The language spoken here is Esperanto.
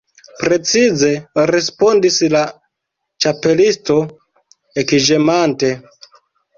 "Precize," respondis la Ĉapelisto, ekĝemante.